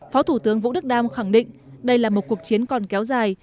phó thủ tướng vũ đức đam khẳng định đây là một cuộc chiến còn kéo dài